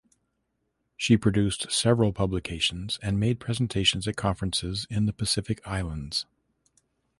She produced several publications and made presentations at conferences in the Pacific Islands.